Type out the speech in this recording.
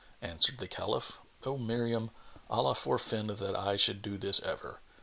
"[FN#23] Answered the Caliph, "O Miriam, Allah forfend that I should do this ever!